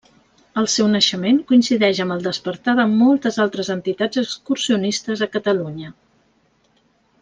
El seu naixement coincideix amb el despertar de moltes altres entitats excursionistes a Catalunya.